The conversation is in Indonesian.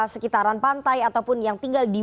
sekitaran pantai ataupun yang tinggal di